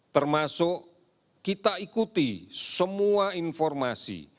termasuk kita ikuti semua informasi